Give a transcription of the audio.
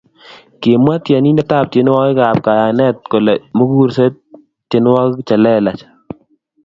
Kimwa tyenindetab tyenwokikab kayenet kole mukuser tyenwogik che lelach